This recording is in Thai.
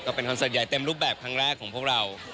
เป็นคอนเสิร์ตใหญ่เต็มรูปแบบครั้งแรกของพวกเรา